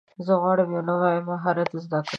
زه غواړم یو نوی مهارت زده کړم.